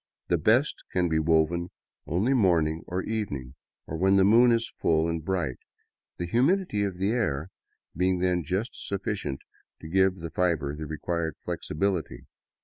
The best can be woven only morning or evening, or when the moon is full and bright, the humidity of the air being then just sufficient to give the fiber the required flexibility.